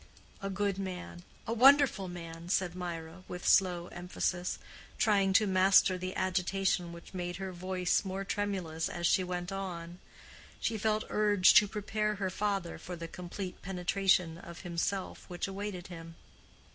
"A good man—a wonderful man," said Mirah, with slow emphasis, trying to master the agitation which made her voice more tremulous as she went on. She felt urged to prepare her father for the complete penetration of himself which awaited him.